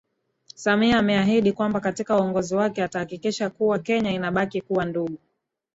Samia ameahidi kwamba katika uongozi wake atahakikisha kuwa Kenya inabaki kuwa ndugu